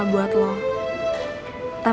tapi gue rasa lo butuh dikasih pelayanan